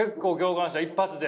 一発で？